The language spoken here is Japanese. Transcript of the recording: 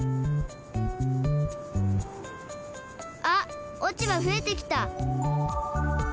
あっ落ち葉ふえてきた。